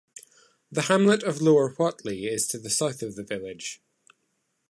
The hamlet of Lower Whatley is to the south of the village.